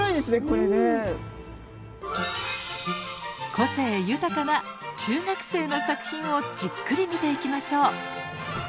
個性豊かな中学生の作品をじっくり見ていきましょう。